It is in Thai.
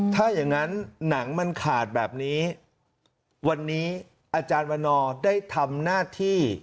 ถ้าอย่างนั้นหนังมันขาดแบบนี้วันนี้อาจารย์วันนอร์ได้ทำหน้าที่